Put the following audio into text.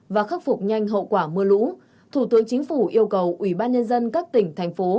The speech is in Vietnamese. và khắc phục nhanh hậu quả mưa lũ thủ tướng chính phủ yêu cầu ủy ban nhân dân các tỉnh thành phố